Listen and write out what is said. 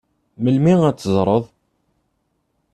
Melmi ara t-teẓred?